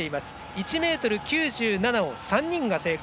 １ｍ９７を３人が成功。